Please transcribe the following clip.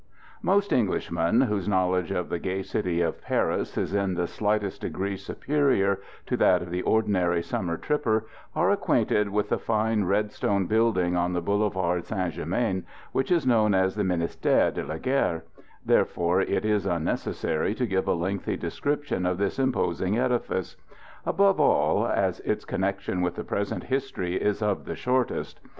Most Englishmen, whose knowledge of the gay city of Paris is in the slightest degree superior to that of the ordinary summer tripper, are acquainted with the fine red stone building on the Boulevard St Germain, which is known as the Ministère de la Guerre, therefore it is unnecessary to give a lengthy description of this imposing edifice; above all, as its connection with the present history is of the shortest.